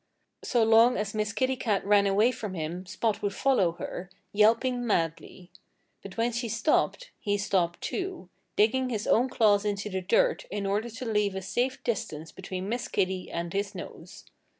So long as Miss Kitty Cat ran away from him Spot would follow her, yelping madly. But when she stopped, he stopped too, digging his own claws into the dirt in order to leave a safe distance between Miss Kitty and his nose.